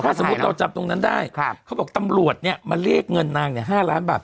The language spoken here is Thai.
ถ้าสมมุติเราจับตรงนั้นได้เขาบอกตำรวจเนี่ยมาเรียกเงินนางเนี่ย๕ล้านบาท